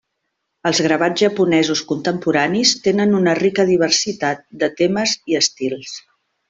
Els gravats japonesos contemporanis tenen una rica diversitat de temes i estils.